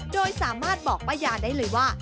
โดยสามารถบอกป้ายาได้เลยว่า